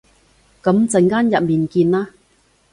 噉陣間入面見啦